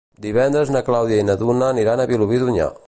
Divendres na Clàudia i na Duna aniran a Vilobí d'Onyar.